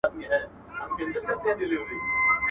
اوگره په تلوار نه سړېږي.